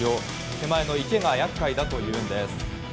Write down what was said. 手前の池が厄介だというんです。